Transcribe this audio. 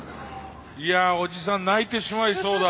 いやおじさん泣いてしまいそうだ。